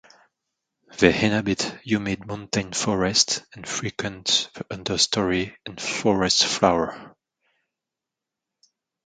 They inhabit humid montane forest and frequent the understory and forest floor.